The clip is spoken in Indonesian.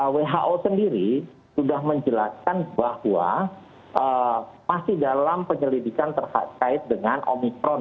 who sendiri sudah menjelaskan bahwa masih dalam penyelidikan terkait dengan omikron